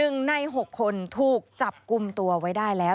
๑ใน๖คนถูกจับกุมตัวไว้ได้แล้ว